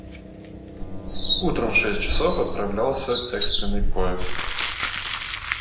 Утром в шесть часов отправлялся экстренный поезд.